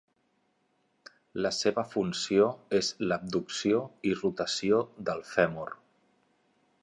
La seva funció és l'abducció i rotació del fèmur.